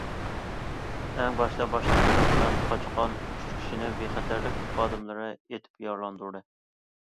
ئەڭ باشتا باشلامچىلىق بىلەن قاچقان ئۈچ كىشىنى بىخەتەرلىك خادىملىرى ئېتىپ يارىلاندۇردى.